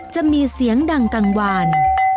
จะมีเสียงดังกลางวาน